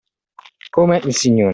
Come il signore.